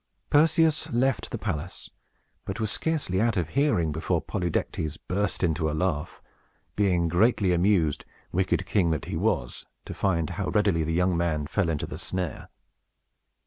Perseus left the palace, but was scarcely out of hearing before Polydectes burst into a laugh; being greatly amused, wicked king that he was, to find how readily the young man fell into the snare.